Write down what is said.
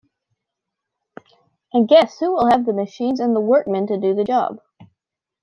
And guess who will have the machines and the workmen to do the job?